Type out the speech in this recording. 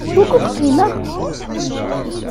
Wukud qimeɣ?